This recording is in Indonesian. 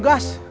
gak usah bayar